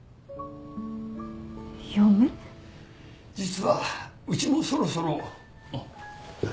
実はうちもそろそろおっ。